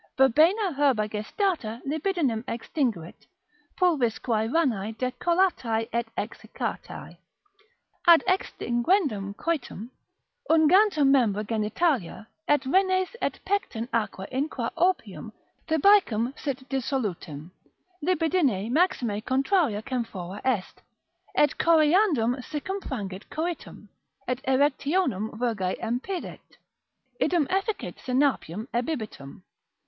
Verbena herba gestata libidinem extinguit, pulvisquae ranae decollatae et exiccatae. Ad extinguendum coitum, ungantur membra genitalia, et renes et pecten aqua in qua opium Thebaicum sit dissolutum; libidini maxime contraria camphora est, et coriandrum siccum frangit coitum, et erectionem virgae impedit; idem efficit synapium ebibitum.